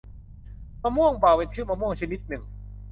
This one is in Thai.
มะม่วงเบา เป็นชื่อมะม่วงชนิดหนึ่ง